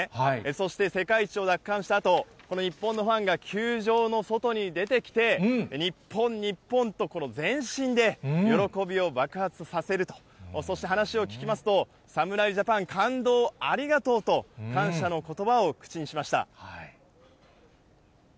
そして世界一を奪還したあと、この日本のファンが球場の外に出てきて、日本、日本と、この全身で、喜びを爆発させると、そして話を聞きますと、侍ジャパン、感動をありがとうと感謝のことばを口にしました。